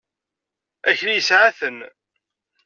Akli yeɛna-ten.